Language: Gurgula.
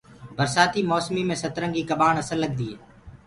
برسآتي موسمو مي سترنگيٚ ڪٻآڻ اسل لگدي هي